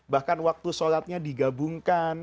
bahkan waktu sholatnya digabungkan